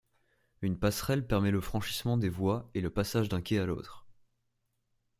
Une passerelle permet le franchissement des voies et le passage d'un quai à l'autre.